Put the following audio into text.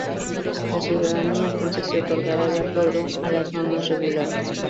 La ciudadanía entonces se otorgará de acuerdo a las normas regulares.